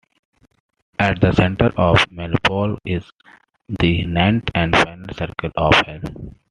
At the center of Malebolge is the ninth and final circle of hell.